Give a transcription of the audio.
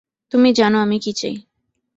তুমি জানো আমি কী চাই।